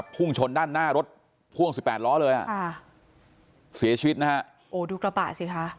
พุ่งชนน่ารถพ่วง๑๘ล้อเสียชีวิตนะโอดูระบะสิคะ